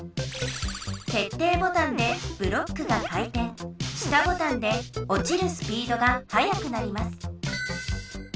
けっていボタンでブロックが回転下ボタンでおちるスピードがはやくなります。